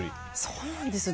そうなんですよ。